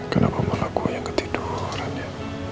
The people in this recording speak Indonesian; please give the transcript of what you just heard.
kenapa malam gue yang ketiduran ya